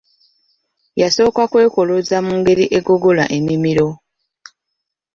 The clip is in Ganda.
Yasooka kwekoloza mu ngeri egogola emimiro.